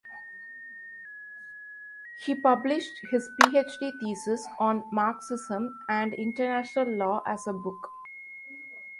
He published his PhD thesis on Marxism and international law as a book.